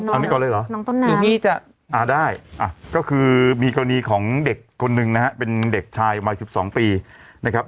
อันนี้ก่อนเลยเหรอได้ก็คือมีกรณีของเด็กคนหนึ่งนะฮะเป็นเด็กชายวัย๑๒ปีนะครับ